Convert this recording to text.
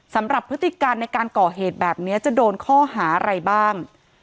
พฤติการในการก่อเหตุแบบนี้จะโดนข้อหาอะไรบ้าง